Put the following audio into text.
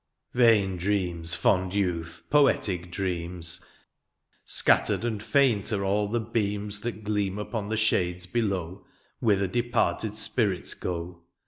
'^ Vain dreams fond youth, poetic dreams ;^^ Scattered and faint are all the beams ^^ That gleam upon the shades below, ^^ Whither departed spirits go.